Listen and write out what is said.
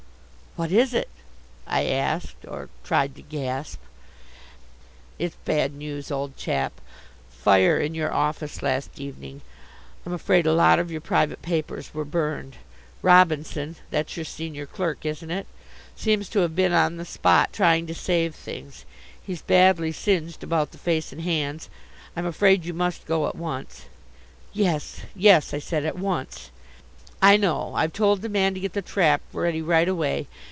"What is it?" I asked, or tried to gasp. "It's bad news, old chap; fire in your office last evening. I'm afraid a lot of your private papers were burned. Robinson that's your senior clerk, isn't it? seems to have been on the spot trying to save things. He's badly singed about the face and hands. I'm afraid you must go at once." "Yes, yes," I said, "at once." "I know. I've told the man to get the trap ready right away.